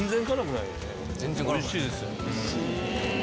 おいしいです。